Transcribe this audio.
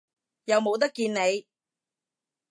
又冇得見你